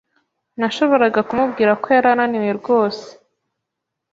Nashoboraga kumubwira ko yari ananiwe rwose.